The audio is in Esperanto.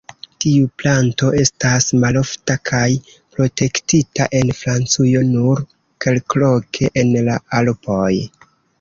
Tiu planto estas malofta kaj protektita en Francujo, nur kelkloke en la Alpoj.